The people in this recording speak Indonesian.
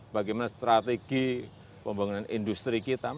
bagaimana strategi pembangunan industri kita